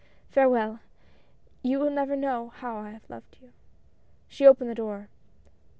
Farewell. You will never know how I have loved you." She opened the door.